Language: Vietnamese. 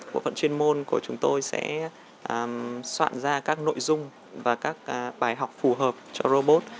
bộ phận chuyên môn của chúng tôi sẽ soạn ra các nội dung và các bài học phù hợp cho robot